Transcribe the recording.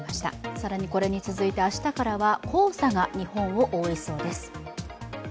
更にこれに続いて明日からは黄砂が日本を覆いそうです。